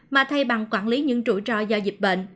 mà thay bằng quản lý những rủi ro do dịch bệnh